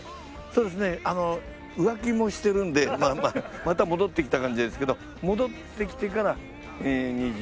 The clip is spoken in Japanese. そうですね浮気もしてるんでまた戻ってきた感じですけど戻ってきてから二十数年。